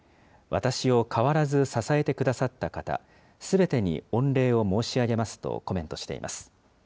私を変わらず支えてくださった方、すべてに御礼を申し上げますとコメントしています。